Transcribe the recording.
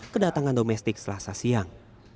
kedatangan domestik selasa siang